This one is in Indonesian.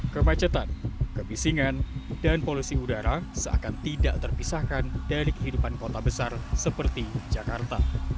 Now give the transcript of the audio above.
kemacetan kebisingan dan polusi udara seakan tidak terpisahkan dari kehidupan kota besar seperti jakarta